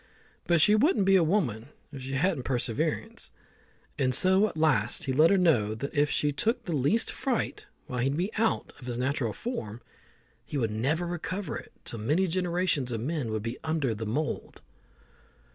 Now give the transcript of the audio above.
But she wouldn't be a woman if she hadn't perseverance; and so at last he let her know that if she took the least fright while he'd be out of his natural form, he would never recover it till many generations of men would be under the mould.